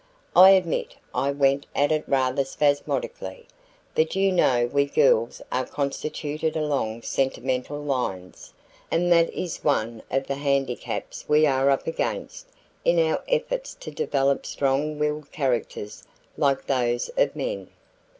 I admit I went at it rather spasmodically, but you know we girls are constituted along sentimental lines, and that is one of the handicaps we are up against in our efforts to develop strong willed characters like those of men."